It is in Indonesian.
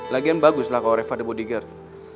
lagian bagus lah kalo reva ada bodyguard